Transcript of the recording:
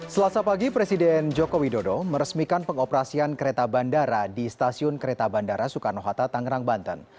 selasa pagi presiden joko widodo meresmikan pengoperasian kereta bandara di stasiun kereta bandara soekarno hatta tangerang banten